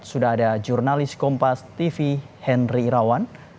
sudah ada jurnalis kompas tv henry irawan